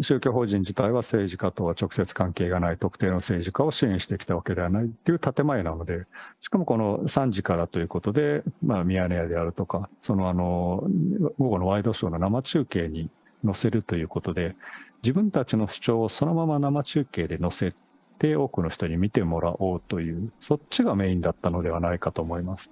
宗教法人自体は政治家とは直接関係がない、特定の政治家を支援してきたわけではないという建て前なので、しかもこの３時からということで、ミヤネ屋であるとか、その午後のワイドショーの生中継に乗せるっていうことで、自分たちの主張をそのまま生中継で乗せて、多くの人に見てもらおうという、そっちがメインだったのではないかと思います。